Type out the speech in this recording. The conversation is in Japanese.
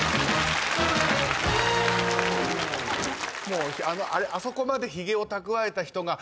もうあそこまでひげを蓄えた人が。